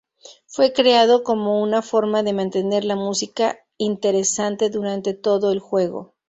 Fue creado como una forma de mantener la música interesante durante todo el juego.